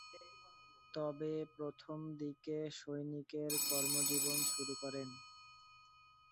তবে প্রথম দিকে সৈনিকের কর্মজীবন শুরু করেন।